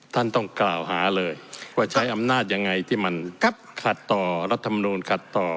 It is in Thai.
ท่านต้องกล่าวหาเลยว่าใช้อำนาจยังไงที่มันขัดต่อรัฐมนูลขัดต่อ